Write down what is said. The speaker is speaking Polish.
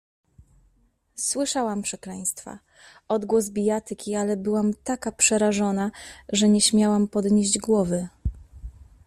"Słyszałam przekleństwa, odgłos bijatyki, ale byłam taka przerażona, że nie śmiałam podnieść głowy."